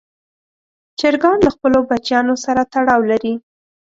چرګان له خپلو بچیانو سره تړاو لري.